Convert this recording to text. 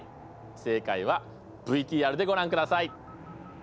正解はＶＴＲでご覧ください。